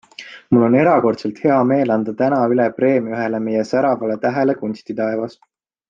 Mul on erakordselt hea meel anda täna üle preemia ühele meie säravale tähele kunstitaevas.